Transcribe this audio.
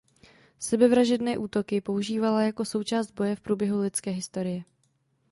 Sebevražedné útoky používala jako součást boje v průběhu lidské historie.